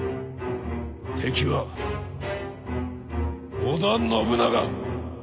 敵は織田信長！